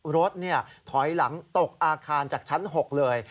รถถอยหลังตกอาคารจากชั้น๖เลย